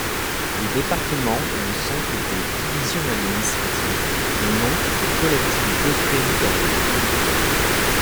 Les départements ne sont que des divisions administratives et non des collectivités territoriales.